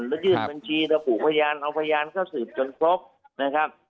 แล้วยื่นบัญชีระบุพยานเอาพยานเข้าสืบจนครบนะครับ